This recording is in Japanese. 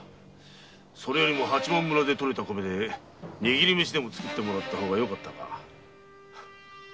それよりも八幡村で穫れた米で握り飯でもつくってもらったほうがよかったがな。